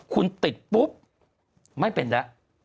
คุณติดปุ๊บไม่เป็นแล้ว